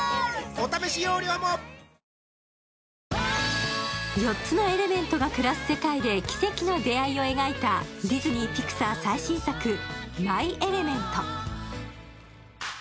お試し容量も４つのエレメントが暮らす世界で奇跡の出会いを描いたディズニー＆ピクサー最新作「マイ・エレメント」。